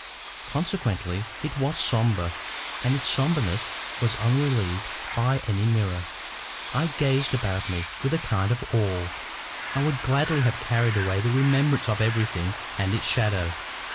Consequently it was sombre, and its sombreness was unrelieved by any mirror. I gazed about me with a kind of awe. I would gladly have carried away the remembrance of everything and its shadow.